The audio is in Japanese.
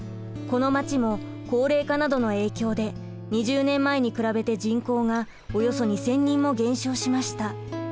このまちも高齢化などの影響で２０年前に比べて人口がおよそ２，０００人も減少しました。